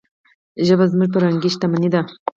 ژبه زموږ فرهنګي شتمني ده.